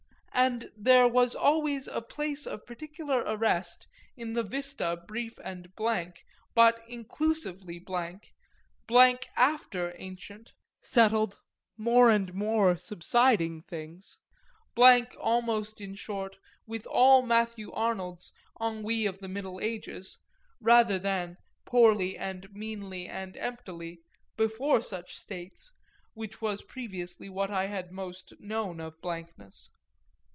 And there was always a place of particular arrest in the vista brief and blank, but inclusively blank, blank after ancient, settled, more and more subsiding things, blank almost, in short, with all Matthew Arnold's "ennui of the middle ages," rather than, poorly and meanly and emptily, before such states, which was previously what I had most known of blankness.